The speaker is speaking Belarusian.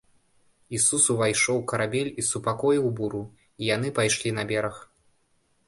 Ісус увайшоў у карабель і супакоіў буру, і яны пайшлі на бераг.